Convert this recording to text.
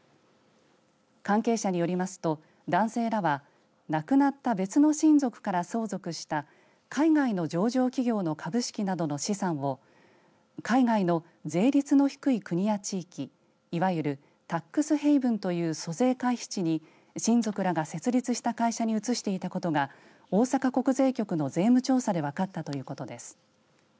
関係者によりますと男性らは亡くなった別の親族から相続した海外の上場企業の株式などの資産を海外の税率の低い国や地域いわゆるタックスヘイブンという租税回避地に親族らが設立した会社に移していたことが大阪国税局の税務調査で分かったということです。